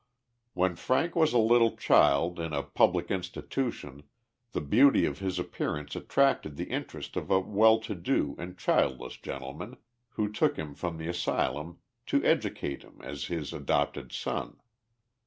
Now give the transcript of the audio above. When Frank was a little child in a public institution the beauty of his appearance attracted the interest ot a well to do and childless gentleman, who took him from the asylum to educate him as his adopted son.